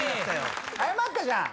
謝ったじゃん？